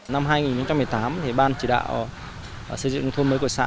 năm hai nghìn một mươi tám ban chỉ đạo xây dựng nông thôn mới của xã